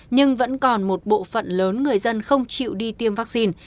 nhưng vẫn còn một bộ phận lớn người dân không chịu đi tiêm vaccine